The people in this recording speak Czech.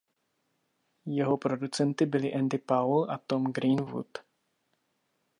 Jeho producenty byli Andy Powell a Tom Greenwood.